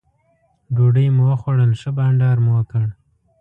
ډوډۍ مو وخوړل ښه بانډار مو وکړ.